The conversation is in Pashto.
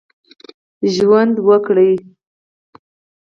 ژوند وکړي.